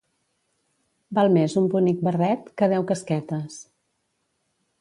Val més un bonic barret que deu casquetes.